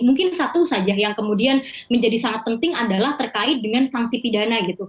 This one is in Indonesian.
mungkin satu saja yang kemudian menjadi sangat penting adalah terkait dengan sanksi pidana gitu